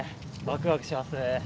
ワクワクしますね。